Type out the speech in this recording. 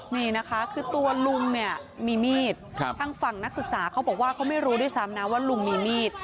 นี่นะคะคือตัวลุงเนี่ยมีมีดทางฝั่งนักศึกษาเขาบอกว่าเขาไม่รู้ด้วยซ้ำนะว่าลุงมีมีด